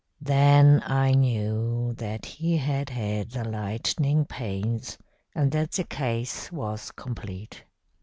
"Then I knew that he had had the lightning pains, and that the case was complete.